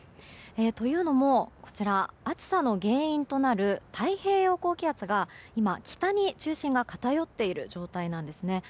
というのも、暑さの原因となる太平洋高気圧が今、北に中心が偏っている状態なんですね。